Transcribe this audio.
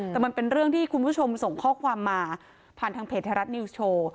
แต่มันเป็นเรื่องที่คุณผู้ชมส่งข้อความมาผ่านทางเพจไทยรัฐนิวส์โชว์